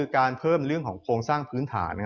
การเพิ่มเรื่องของโครงสร้างพื้นฐาน